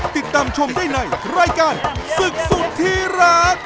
ติดตามชมได้ในรายการศึกสุดที่รัก